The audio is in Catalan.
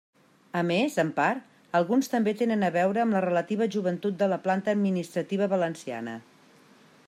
A més, en part, alguns també tenen a veure amb la relativa joventut de la planta administrativa valenciana.